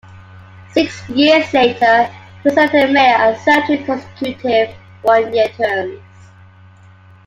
Six years later, he was elected mayor and served two consecutive one-year terms.